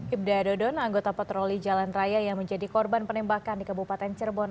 ibda dodon anggota patroli jalan raya yang menjadi korban penembakan di kabupaten cirebon